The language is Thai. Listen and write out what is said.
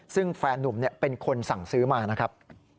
ซึ่งแฟนนุ่มเป็นคนสั่งซื้อมานะครับ